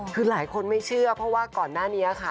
คือหลายคนไม่เชื่อเพราะว่าก่อนหน้านี้ค่ะ